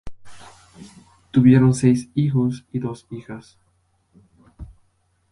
Tuvieron seis hijos y dos hijas.